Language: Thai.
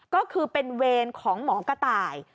ก็คือเป็นเวรของหมอกระต่าย